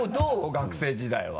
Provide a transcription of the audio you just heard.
学生時代は。